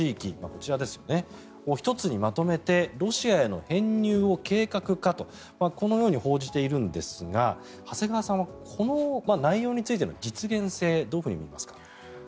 こちらを１つにまとめてロシアへの編入を計画かとこのように報じているんですが長谷川さんはこの内容についての実現性をどのように見ますか？